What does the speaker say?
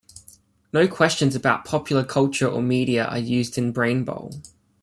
No questions about popular culture or media are used in Brain Bowl.